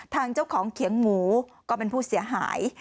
ทางเจ้าของเขียงหมูก็เป็นผู้เสียหาย